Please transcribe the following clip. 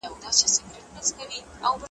لاړ پر لاړ پېيلي غرونه `